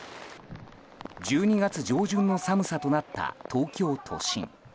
１２月上旬の寒さとなった東京都心。